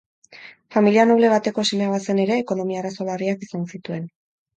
Familia noble bateko semea bazen ere, ekonomia-arazo larriak izan zituen.